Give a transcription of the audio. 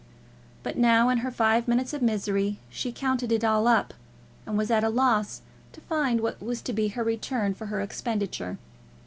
But now, in her five minutes of misery, she counted it all up, and was at a loss to find what was to be her return for her expenditure.